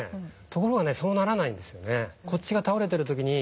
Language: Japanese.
ところがそうならないんですよね。